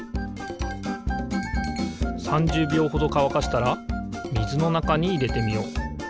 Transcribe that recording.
３０びょうほどかわかしたらみずのなかにいれてみよう。